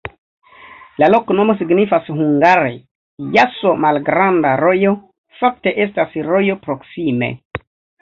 La loknomo signifas hungare: jaso-malgranda rojo, fakte estas rojo proksime.